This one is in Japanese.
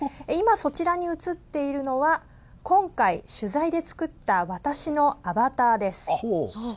今、そちらに映っているのは今回取材で作った私のアバターです。